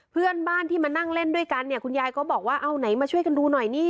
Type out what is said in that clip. เพื่อนบ้านที่มานั่งเล่นด้วยกันเนี่ยคุณยายก็บอกว่าเอาไหนมาช่วยกันดูหน่อยนี่